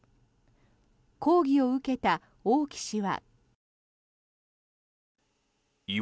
抗議を受けた王毅氏は。